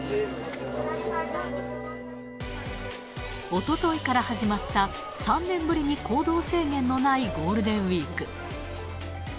おとといから始まった、３年ぶりに行動制限のないゴールデンウィーク。